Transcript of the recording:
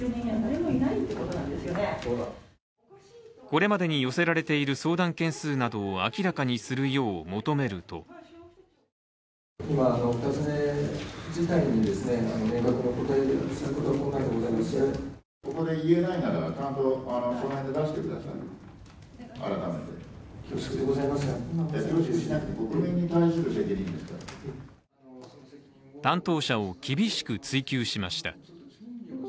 これまでに寄せられている相談件数などを明らかにするよう求めると担当者を厳しく追及しました。